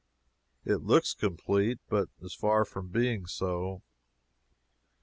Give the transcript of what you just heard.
It looks complete, but is far from being so.